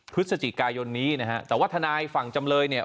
พฤศจิกายนนี้นะฮะแต่ว่าทนายฝั่งจำเลยเนี่ย